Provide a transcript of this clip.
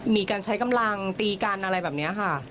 มีการใช้กำลังตีกันอะไรแบบนี้ค่ะ